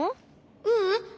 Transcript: ううん。